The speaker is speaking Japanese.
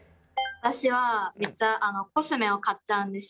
私はめっちゃコスメを買っちゃうんですよ。